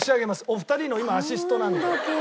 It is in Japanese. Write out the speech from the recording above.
お二人の今アシストなんで。